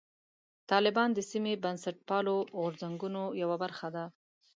طالبان د سیمې بنسټپالو غورځنګونو یوه برخه ده.